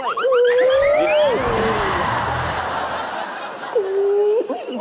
พี่น้อง